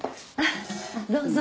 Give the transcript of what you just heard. どうぞ。